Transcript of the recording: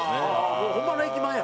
もうホンマの駅前や。